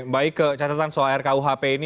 baik kecatatan soal rkuhp ini